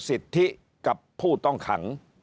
สิทธิกับผู้ต้องขัง